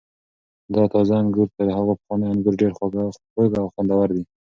دا تازه انګور تر هغو پخوانیو انګور ډېر خوږ او خوندور دي.